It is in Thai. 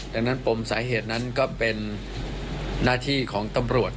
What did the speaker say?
ดังนั้นปมสาเหตุนั้นก็เป็นหน้าที่ของตำรวจ